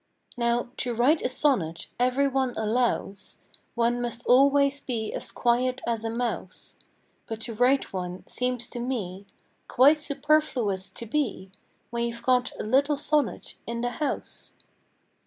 Now, to write a sonnet, every one allows, One must always be as quiet as a mouse; But to write one seems to me Quite superfluous to be, When you 've got a little sonnet in the house.